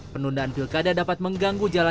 penundaan pilkada dapat mengganggu jalan